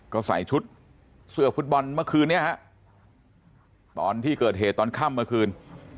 ก็ใส่ชุดเสื้อฟุตบอลเมื่อคืนนี้ฮะตอนที่เกิดเหตุตอนค่ำเมื่อคืน